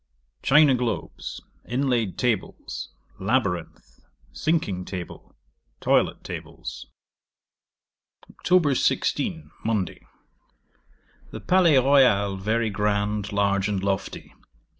China globes. Inlaid tables. Labyrinth. Sinking table. Toilet tables. 'Oct. 16. Monday. The Palais Royal very grand, large, and lofty.